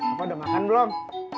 apa udah makan belum